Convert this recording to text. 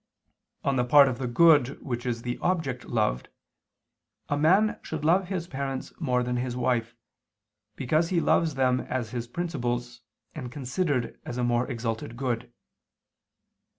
On the part of the good which is the object loved, a man should love his parents more than his wife, because he loves them as his principles and considered as a more exalted good.